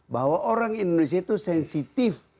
bahwa orang indonesia itu sensitif